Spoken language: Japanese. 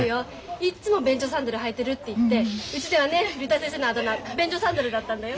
いっつも便所サンダルはいてるって言ってうちではね竜太先生のあだ名便所サンダルだったんだよ。